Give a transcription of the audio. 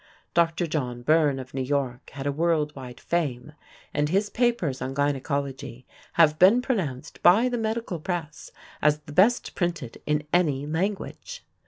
Dr. John Byrne of New York had a world wide fame, and his papers on gynecology have been pronounced by the medical press as "the best printed in any language".